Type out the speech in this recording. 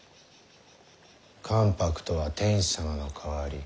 関白とは天子様の代わり。